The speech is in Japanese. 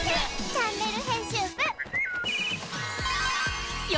チャンネル編集部へ！